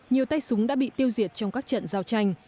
nhiều tay súng đã bị tiêu diệt trong các trận giao tranh